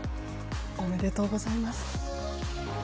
おめでとうございます！